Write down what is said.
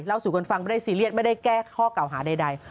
สู่กันฟังไม่ได้ซีเรียสไม่ได้แก้ข้อเก่าหาใด